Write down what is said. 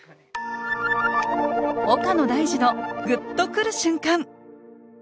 岡野大嗣の「グッとくる瞬間」